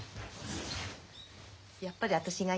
やっぱり私がいいんだ。